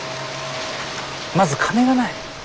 まず金がない。